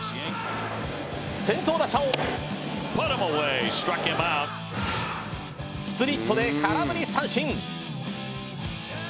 先頭打者をスプリットで空振り三振。